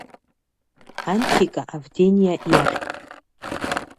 Анҭика Авдениа иахь.